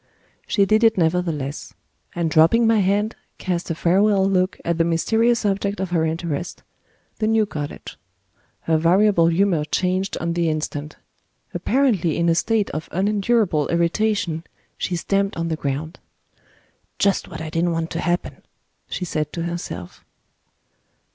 She did it nevertheless; and dropping my hand, cast a farewell look at the mysterious object of her interest the new cottage. Her variable humor changed on the instant. Apparently in a state of unendurable irritation, she stamped on the ground. "Just what I didn't want to happen!" she said to herself.